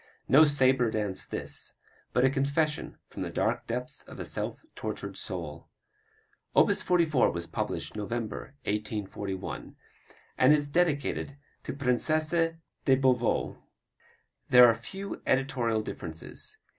No "sabre dance" this, but a confession from the dark depths of a self tortured soul. Op. 44 was published November, 1841, and is dedicated to Princesse de Beauvau. There are few editorial differences.